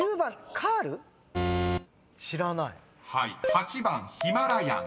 ［８番「ヒマラヤン」］